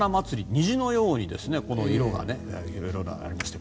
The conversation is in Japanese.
虹のように色が色々ありまして。